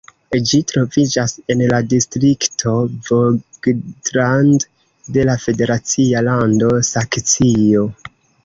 Ĝi troviĝas en la distrikto Vogtland de la federacia lando Saksio.